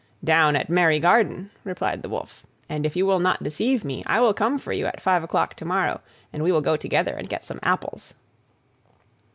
"Down at Merry garden," replied the Wolf; "and if you will not deceive me I will come for you, at five o'clock to morrow, and we will go together and get some apples."